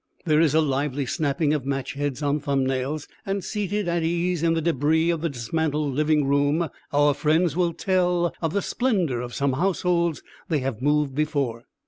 There is a lively snapping of matchheads on thumbnails, and seated at ease in the débris of the dismantled living room our friends will tell of the splendour of some households they have moved before.